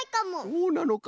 そうなのか。